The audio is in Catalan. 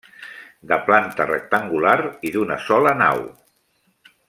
De planta rectangular i d'una sola nau.